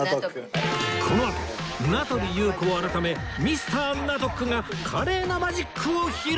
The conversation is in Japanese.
このあと名取裕子改め Ｍｒ． ナトックが華麗なマジックを披露